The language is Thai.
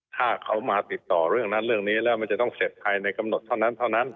ถ้าเขามาติดต่อเรื่องนั้นเรื่องนี้แล้วมันจะต้องเสร็จภายในกำหนดเท่านั้นเท่านั้น